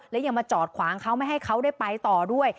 และยังมาจอดขวางเขาไม่ให้เขาได้ไปต่อด้วย